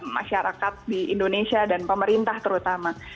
masyarakat di indonesia dan pemerintah terutama